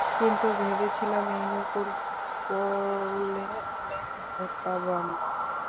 কিন্তু ভেবেছিলাম, এই নতুন পোলে অনেক ভোট পাবো আমরা।